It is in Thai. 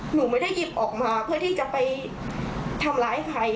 หนูไม่ได้หยิบออกมาเพื่อที่จะไปทำร้ายใคร